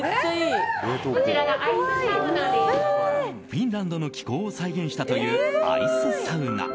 フィンランドの気候を再現したというアイスサウナ。